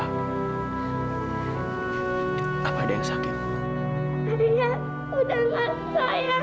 siapa nyangkutan apa apa aja